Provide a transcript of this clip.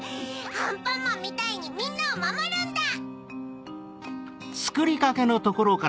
アンパンマンみたいにみんなをまもるんだ！